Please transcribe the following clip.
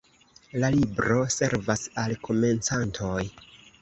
La libro servas al komencantoj.